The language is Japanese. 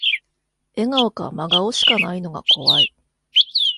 笑顔か真顔しかないのが怖い